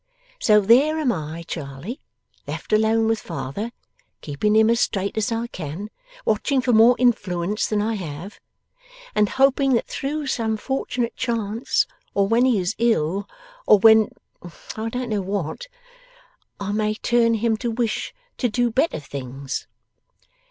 So there am I, Charley, left alone with father, keeping him as straight as I can, watching for more influence than I have, and hoping that through some fortunate chance, or when he is ill, or when I don't know what I may turn him to wish to do better things.